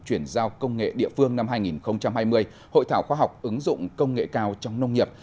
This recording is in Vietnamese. chuyển giao công nghệ địa phương năm hai nghìn hai mươi hội thảo khoa học ứng dụng công nghệ cao trong nông nghiệp